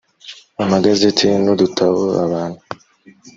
amagazeti n udutabo abantu